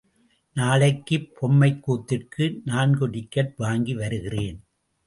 நாளைக்குப் பொம்மைக்கூத்திற்கு நான்கு டிக்கெட் வாங்கி, வருகிறேன்.